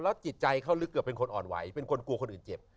จิตใจเขาลึกเกือบเป็นคนอ่อนไหวเป็นคนกลัวคนอื่นเจ็บ